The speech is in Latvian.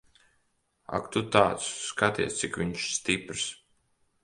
Ak tu tāds. Skaties, cik viņš stiprs.